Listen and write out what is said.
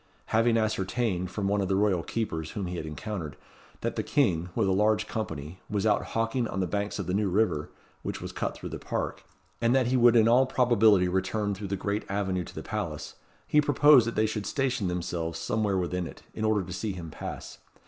Having ascertained, from one of the royal keepers whom he had encountered, that the King, with a large company, was out hawking on the banks of the New River, which was cut through the park, and that he would in all probability return through the great avenue to the palace, he proposed that they should station themselves somewhere within it, in order to see him pass.